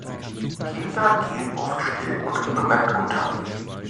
Kinder gehen oft still und unbemerkt unter.